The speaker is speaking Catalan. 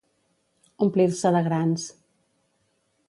Omplir-se de grans.